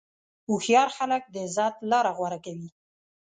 هوښیار خلک د عزت لاره غوره کوي.